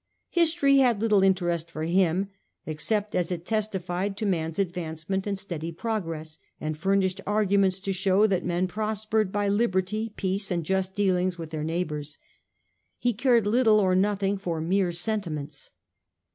History had little interest for him, except as it testified to man's advancement and steady progress, and furnished arguments to show that men prospered by liberty, peace and just dealings with their neigh bours. He cared little or nothing for mere sentiments.